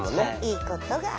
いいことがある。